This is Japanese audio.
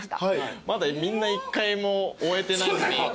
まだみんな１回も終えてないのに。